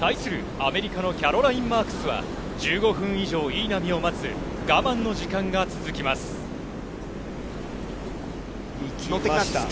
対するアメリカのキャロライン・マークスは、１５分以上、いい波を待つ我慢の時間が続きま乗ってきました。